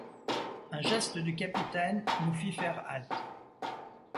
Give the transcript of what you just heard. Un geste du capitaine nous fit faire halte.